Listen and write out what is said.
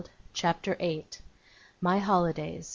CHAPTER 8. MY HOLIDAYS.